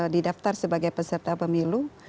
didaftar sebagai peserta pemilu